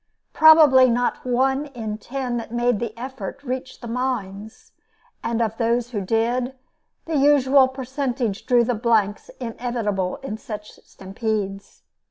Probably not one in ten that made the effort reached the mines, and of those who did the usual percentage drew the blanks inevitable in such stampedes.